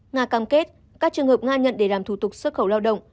nga cam kết các trường hợp nga nhận để làm thủ tục xuất khẩu lao động